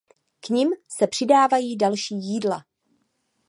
K nim se přidávají další jídla.